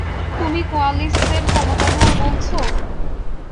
তুমি কোয়ালিস্টদের ক্ষমতাধর বলছ?